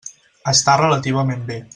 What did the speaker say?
Està relativament bé.